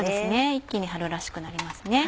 一気に春らしくなりますね。